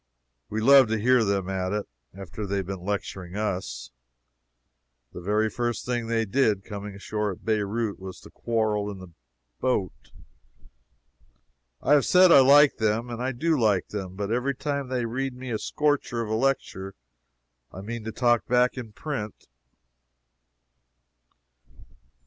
We love to hear them at it, after they have been lecturing us. The very first thing they did, coming ashore at Beirout, was to quarrel in the boat. I have said I like them, and I do like them but every time they read me a scorcher of a lecture I mean to talk back in print.